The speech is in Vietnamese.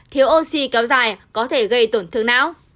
thiếu oxy kéo dài có thể gây tổn thương não